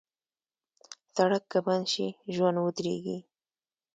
سړک که بند شي، ژوند ودریږي.